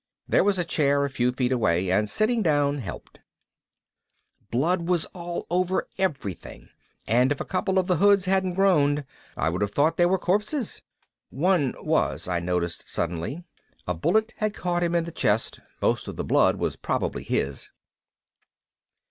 There was a chair a few feet away and sitting down helped. Blood was all over everything and if a couple of the hoods hadn't groaned I would have thought they were corpses. One was, I noticed suddenly. A bullet had caught him in the chest, most of the blood was probably his.